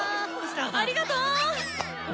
ありがとう！あ？